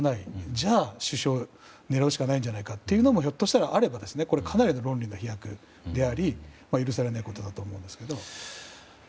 じゃあ、首相を狙うしかないんじゃないのかというのがあるとしたらひょっとしたら、あればこれはかなりの論理の飛躍であり許されないことだと思います。